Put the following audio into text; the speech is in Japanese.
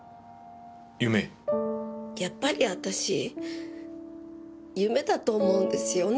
やっぱり私夢だと思うんですよね